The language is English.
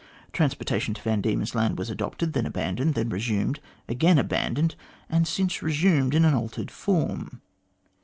Transportation to Van Diemen's Land was adopted, then abandoned, then resumed, again abandoned, and since resumed in an altered form.